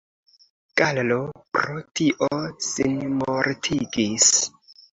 Gallo pro tio sinmortigis.